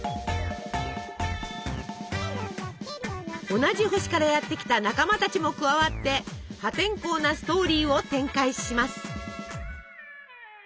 同じ星からやって来た仲間たちも加わって破天荒なストーリーを展開します。